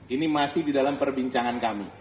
ini masih di dalam perbincangan kami